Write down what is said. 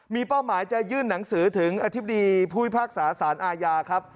มีเป้าหมายจะยื่นหนังสือถึงอธิบดีภูมิภาคศาสตร์สารอาญา